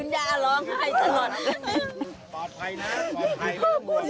ยังเหลืออีกคน